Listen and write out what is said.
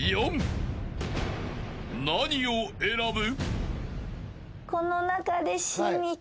［何を選ぶ？］